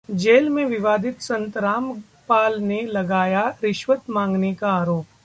jail में विवादित संत रामपाल ने लगाया रिश्वत मांगने का आरोप